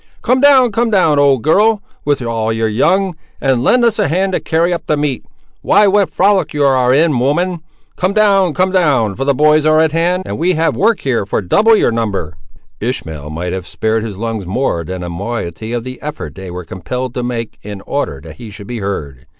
Come down—come down, old girl, with all your young; and lend us a hand to carry up the meat;—why, what a frolic you ar' in, woman! Come down, come down, for the boys are at hand, and we have work here for double your number." Ishmael might have spared his lungs more than a moiety of the effort they were compelled to make in order that he should be heard.